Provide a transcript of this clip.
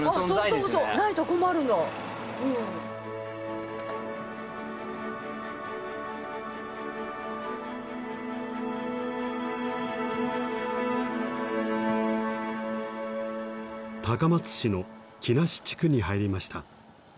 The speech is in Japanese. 高松市の鬼無地区に入りました。